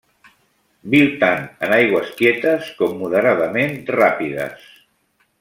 Viu tant en aigües quietes com moderadament ràpides.